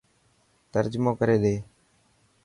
ترجمو ڪري ڏي.